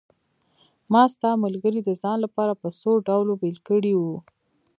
ما ستا ملګري د ځان لپاره په څو ډلو بېل کړي وو.